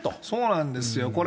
そうなんですよ。